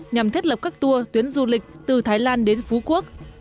nhằm thiết lập các tour tuyến du lịch từ thái lan đến phú quốc